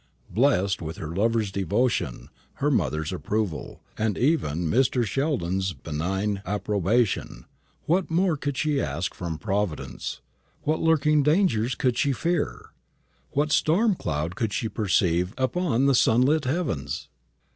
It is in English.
Blessed with her lover's devotion, her mother's approval, and even Mr. Sheldon's benign approbation, what more could she ask from Providence what lurking dangers could she fear what storm cloud could she perceive upon the sunlit heavens?